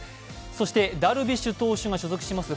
そしてダルビッシュ投手が所属します